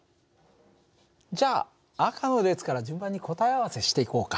じゃあ赤の列から順番に答え合わせしていこうか。